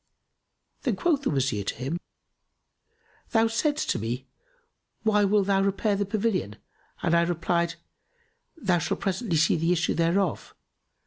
Then quoth the Wazir to him, "Thou saidst to me, 'Why wilt thou repair the pavilion?'; and I replied, 'Thou shalt presently see the issue thereof.